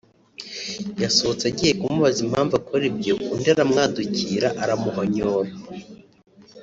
yasohotse agiye kumubaza impamvu akora ibyo undi aramwadukira aramuhonyora